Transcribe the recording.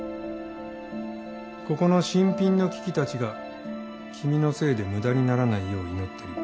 ここの新品の機器たちが君のせいで無駄にならないよう祈ってるよ。